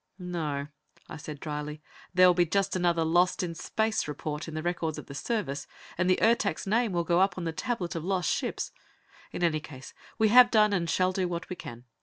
"No," I said dryly. "There will be just another 'Lost in Space' report in the records of the Service, and the Ertak's name will go up on the tablet of lost ships. In any case, we have done and shall do what we can.